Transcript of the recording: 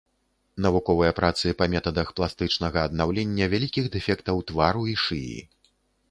Навуковыя працы па метадах пластычнага аднаўлення вялікіх дэфектаў твару і шыі.